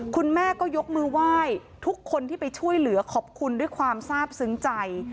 คุณแม่ก็ยกมือไหว้ทุกคนที่ไปช่วยเหลือขอบคุณด้วยความทราบซึ้งใจ